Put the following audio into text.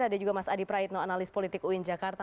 ada juga mas adi praitno analis politik uin jakarta